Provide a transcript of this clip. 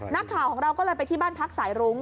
นักข่าวของเราก็เลยไปที่บ้านพักสายรุ้ง